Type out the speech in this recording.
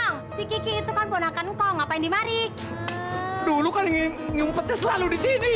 ngimpetnya ngumpetnya selalu di sini